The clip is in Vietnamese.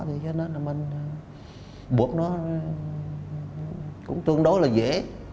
thì cho nên là mình buộc nó cũng tương đối là dễ